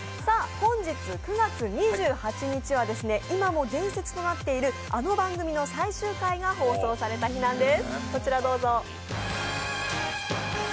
本日９月２８日は今も伝説となっているあの番組の最終回が放送された日なんです。